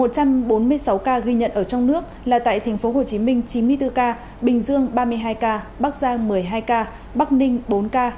một trăm bốn mươi sáu ca ghi nhận ở trong nước là tại tp hcm chín mươi bốn ca bình dương ba mươi hai ca bắc giang một mươi hai ca bắc ninh bốn ca